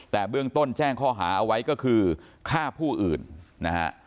แต่เบื้องต้นแจ้งข้อหาเอาไว้ก็คือฆ่าผู้อื่นนะฮะ